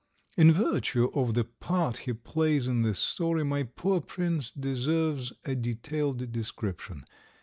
In virtue of the part he plays in this story my poor prince deserves a detailed description.